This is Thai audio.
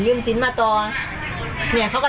อ๋อเจ้าสีสุข่าวของสิ้นพอได้ด้วย